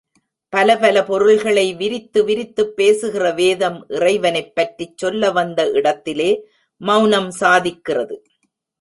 பல பல பொருள்களை விரித்து விரித்துப் பேசுகிற வேதம் இறைவனைப் பற்றிச் சொல்ல வந்த இடத்திலே மெளனம் சாதிக்கிறது.